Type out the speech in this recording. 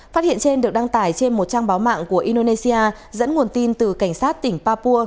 phát hiện trên được đăng tải trên một trang báo mạng của indonesia dẫn nguồn tin từ cảnh sát tỉnh papua